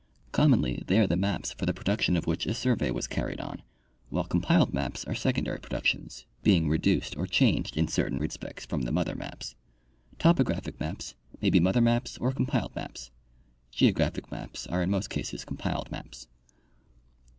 Commonly they are the maps for the production of which a survey was carried on, while compiled maps are secondary productions, being reduced or changed in certain respects from the mother maps. Topographic maps may be mother maps or compiled maps. Geographic maps are in most cases compiled maps.